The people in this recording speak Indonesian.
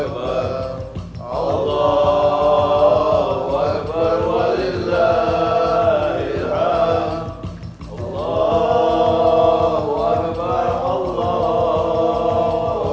nanti kunci dulu